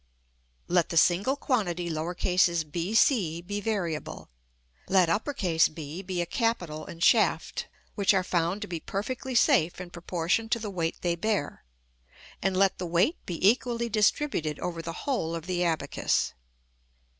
Let the single quantity b c be variable, let B be a capital and shaft which are found to be perfectly safe in proportion to the weight they bear, and let the weight be equally distributed over the whole of the abacus.